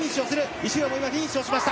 石浦もフィニッシュしました。